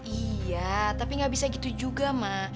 iya tapi gak bisa gitu juga mak